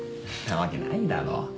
なわけないだろ。